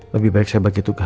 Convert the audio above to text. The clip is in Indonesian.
lebih baik saya bagi tugas